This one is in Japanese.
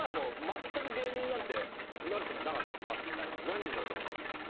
何になりたかったんすか？